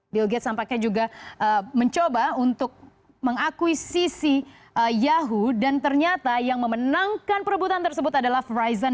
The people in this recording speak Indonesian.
bill gate tampaknya juga mencoba untuk mengakuisisi yahoo dan ternyata yang memenangkan perebutan tersebut adalah verizon